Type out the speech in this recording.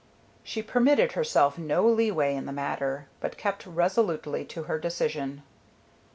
She permitted herself no leeway in the matter, but kept resolutely to her decision.